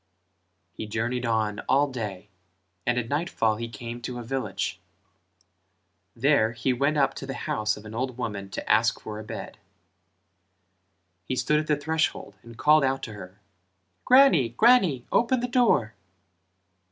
He journeyed on all day and at nightfall he came to a village; there he went up to the house of an old woman to ask for a bed. He stood at the threshhold and called out to her "Grannie, grannie, open the door."